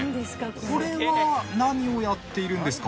これは何をやっているんですか？